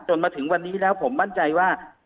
มาถึงวันนี้แล้วผมมั่นใจว่า